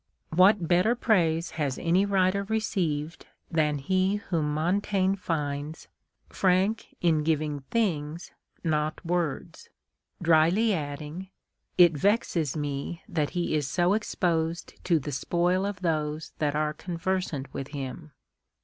What better praise has any writer received than he whom Montaigne finds " frank in giving things, not words," dryly adding, " it vexes me that he is so exposed to the spoil of those that are conversant with him."